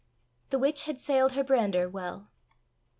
The witch had sailed her brander well.